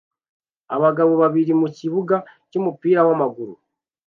Abagabo babiri mukibuga cyumupira wamaguru